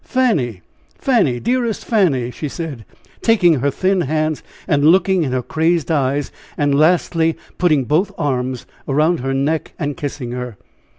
"Fanny! Fanny! Dearest Fanny!" she said, taking her thin hand, and looking in her crazed eyes and lastly, putting both arms around her neck and kissing her.